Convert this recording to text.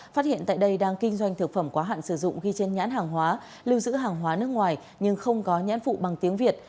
phát hiện tại đây đang kinh doanh thực phẩm quá hạn sử dụng ghi trên nhãn hàng hóa lưu giữ hàng hóa nước ngoài nhưng không có nhãn phụ bằng tiếng việt